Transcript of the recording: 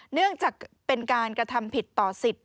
เนื่องจากเป็นการกระทำผิดต่อสิทธิ์